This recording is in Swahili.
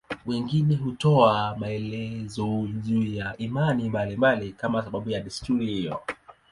Wengine hutoa maelezo juu ya imani mbalimbali kama sababu ya desturi hiyo.